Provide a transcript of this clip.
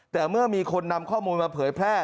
แต่เมื่อมีคนนำข้อมูลมาเผยแพร่